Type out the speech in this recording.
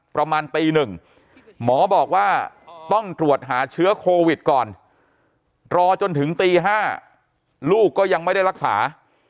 ประมาณตีหนึ่งหมอบอกว่าต้องตรวจหาเชื้อโควิดก่อนรอจนถึงตี๕ลูกก็ยังไม่ได้รักษา